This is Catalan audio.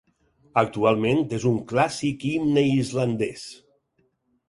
Actualment és un clàssic himne islandès.